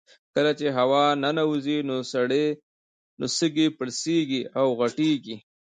کله چې هوا ننوځي نو سږي پړسیږي او غټیږي